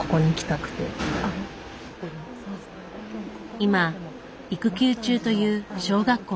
今育休中という小学校の先生。